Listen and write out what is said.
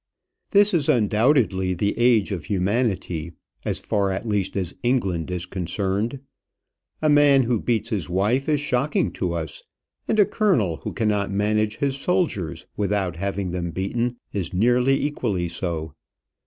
This is undoubtedly the age of humanity as far, at least, as England is concerned. A man who beats his wife is shocking to us, and a colonel who cannot manage his soldiers without having them beaten is nearly equally so.